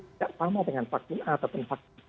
tidak sama dengan vaksin a atau vaksin b